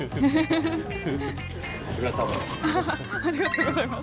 アハハありがとうございます。